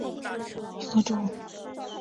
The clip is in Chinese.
小虾花为爵床科尖尾凤属下的一个种。